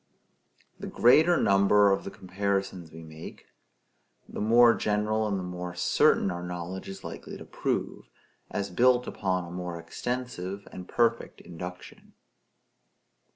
The greater number of the comparisons we make, the more general and the more certain our knowledge is likely to prove, as built upon a more extensive and perfect induction.